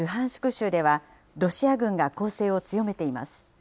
州では、ロシア軍が攻勢を強めています。